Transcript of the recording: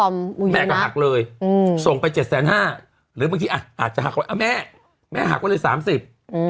แม่ก็หักเลยส่งไป๗๕๐๐๐๐๐บาทหรือบางทีอาจจะหักไว้แม่หักไว้เลย๓๐๐๐๐๐๐๐บาท